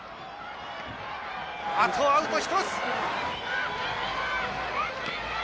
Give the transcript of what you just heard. あとアウト１つ。